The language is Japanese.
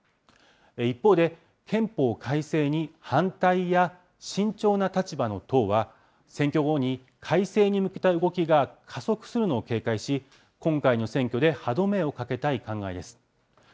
一方で、憲法改正に反対や慎重な立場の党は、選挙後に改正に向けた動きが加速するのを警戒し、今回の選挙で歯止めをかけたい考えです。